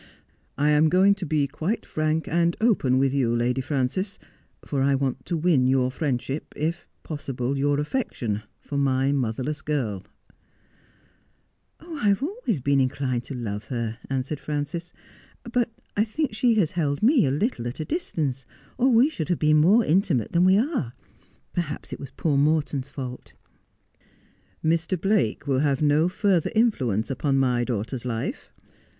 I am going to be quite frank and open with you, Lady Frances, for I want to 'win your friendship, if possible your affection, for my motherless kill.' 103 Just as I Am. ' I have always been inclined to love her,' answered Frances, ' but I think sbe has held me a little at a distance, or we should have been more intimate than we are. Perhaps it was poor Morton's fault.' ' Mr. Blake will have no further influence upon my daughter's life.